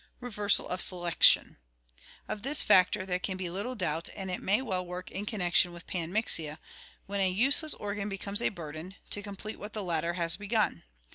Reversal of Selection. — Of this factor there can be little doubt, and it may well work in connection with panmixia, when a useless organ becomes a burden, to complete what the latter has begun.